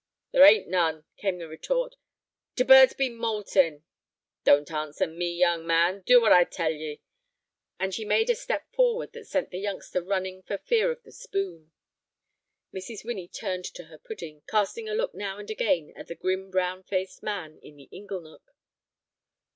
"There ain't none," came the retort; "t' birds be moultin'." "Don't answer me, young man; do what I tell ye." And she made a step forward that sent the youngster running for fear of the spoon. Mrs. Winnie turned to her pudding, casting a look now and again at the grim, brown faced man in the ingle nook.